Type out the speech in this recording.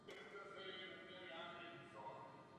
Obě čela vozu jsou průchozí.